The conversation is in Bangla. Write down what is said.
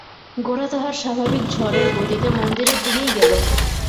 গোরা তাহার স্বাভাবিক ঝড়ের গতিতে মন্দিরের দিকেই গেল।